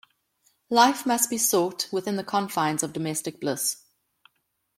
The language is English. Life must must be sought within the confines of domestic bliss.